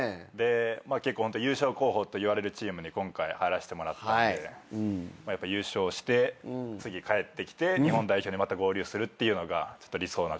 結構優勝候補といわれるチームに今回入らせてもらったんでやっぱ優勝して次帰ってきて日本代表にまた合流するっていうのが理想の形かなと。